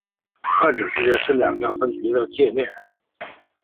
二者之间是两个分局的界线。